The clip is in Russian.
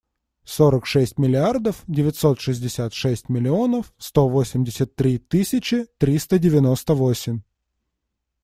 Сорок шесть миллиардов девятьсот шестьдесят шесть миллионов сто восемьдесят три тысячи триста девяносто восемь.